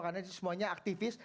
karena ini semuanya aktivis